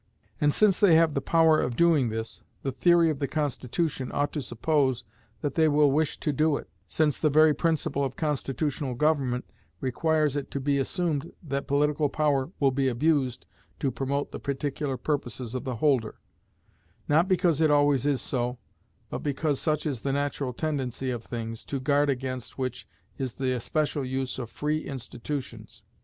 And since they have the power of doing this, the theory of the Constitution ought to suppose that they will wish to do it, since the very principle of constitutional government requires it to be assumed that political power will be abused to promote the particular purposes of the holder; not because it always is so, but because such is the natural tendency of things, to guard against which is the especial use of free institutions.